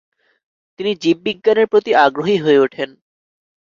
তিনি জীববিজ্ঞানের প্রতি আগ্রহী হয়ে ওঠেন।